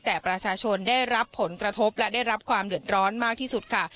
แต่ประชาชนได้รับผลกระทบและได้รับความเดือดร้อนมากที่สุดค่ะ